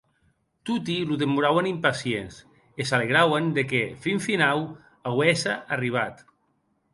Toti lo demorauen impacients e s'alegrauen de qué, fin finau, auesse arribat.